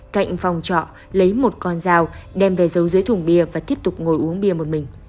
cạnh phòng trọ lấy một con dao đem về dấu dưới thùng bia và tiếp tục ngồi uống bia một mình